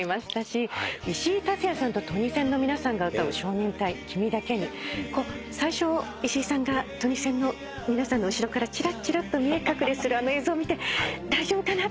石井竜也さんとトニセンの皆さんが歌う少年隊『君だけに』最初石井さんがトニセンの皆さんの後ろからチラッチラッと見え隠れするあの映像を見て大丈夫かな？